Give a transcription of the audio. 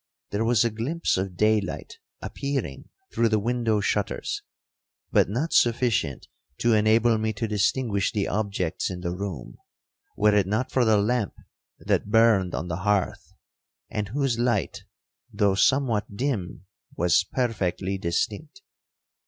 There was a glimpse of day light appearing through the window shutters, but not sufficient to enable me to distinguish the objects in the room, were it not for the lamp that burned on the hearth, and whose light, though somewhat dim, was perfectly distinct.